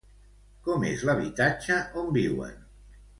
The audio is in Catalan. Com és l'habitatge on viuen?